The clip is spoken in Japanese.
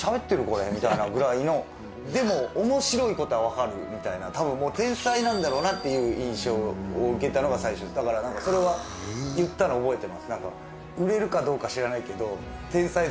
これみたいなぐらいのでも面白いことはわかるみたいな多分もう天才なんだろうなっていう印象を受けたのが最初だから何かそれはっていうのは本人に言ったことありましたね